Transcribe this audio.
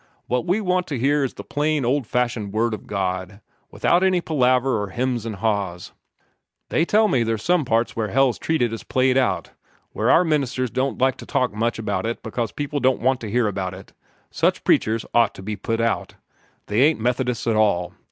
What we want to hear is the plain, old fashioned Word of God, without any palaver or 'hems and ha's. They tell me there's some parts where hell's treated as played out where our ministers don't like to talk much about it because people don't want to hear about it. Such preachers ought to be put out. They ain't Methodists at all.